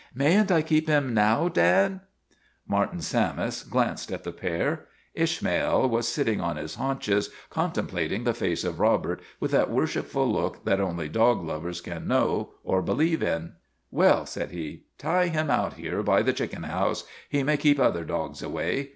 ' May n't I keep him now Dad ?' Martin Sammis glanced at the pair. Ishmael was ISHMAEL 125 sitting on his haunches, contemplating the face of Robert with that worshipful look that only dog lovers can know or believe in. " Well," said he, " tie him out here by the chicken house. He may keep other dogs away."